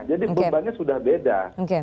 jadi bebannya sudah beda